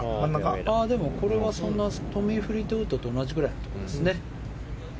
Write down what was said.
これはトミー・フリートウッドと同じくらいのところですね。